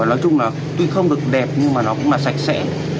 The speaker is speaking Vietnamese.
nói chung là tuy không được đẹp nhưng mà nó cũng là sạch sẽ